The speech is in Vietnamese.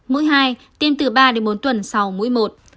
mũi hai tiêm từ ba đến bốn tuần sau mũi một